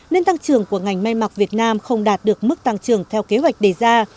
nên tăng trưởng của ngành may mặc việt nam không đạt được mức tăng trưởng theo kế hoạch đề ra